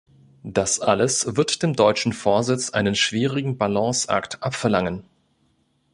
Das alles wird dem deutschen Vorsitz einen schwierigen Balanceakt abverlangen.